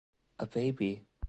A baby.